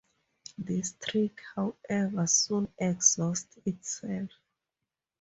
This trick, however, soon exhausts itself.